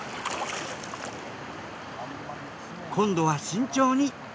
今度は慎重に。